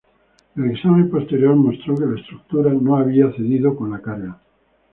El examen posterior mostró que la estructura no había cedido con la carga.